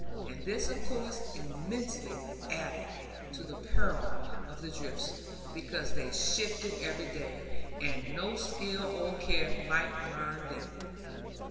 And this of course immensely added to the peril of the drifts; because they shifted every day; and no skill or care might learn them.